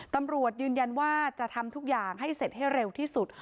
ตำรวจยืนยันว่าจะทำทุกอย่างให้เสร็จให้เร็วที่สุด